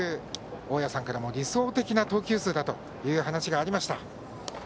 大矢さんからも理想的な投球数だという話がありました。